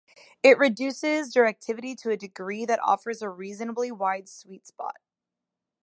It reduces directivity to a degree that offers a reasonably wide sweet spot.